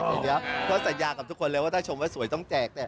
เพราะสัญญากับทุกคนเลยว่าถ้าชมว่าสวยต้องแจก